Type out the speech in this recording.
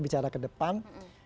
bicara ke depan